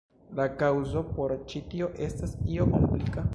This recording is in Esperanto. La kaŭzo por ĉi tio estas io komplika.